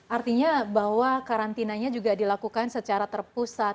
artinya bahwa karantinanya juga dilakukan secara terpusat